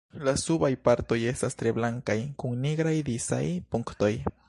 La subaj partoj estas tre blankaj kun nigraj disaj punktoj.